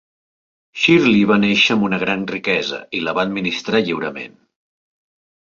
Shirley va néixer amb una gran riquesa i la va administrar lliurement.